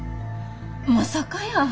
まさかやー。